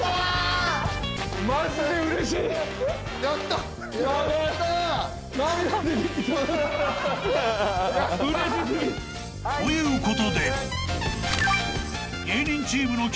［ということで］